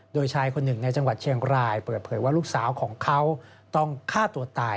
โดยชายคนหนึ่งในจังหวัดเชียงรายเปิดเผยว่าลูกสาวของเขาต้องฆ่าตัวตาย